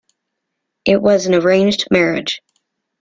It was an arranged marriage.